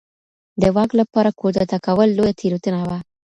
د واک لپاره کودتا کول لویه تېروتنه وه.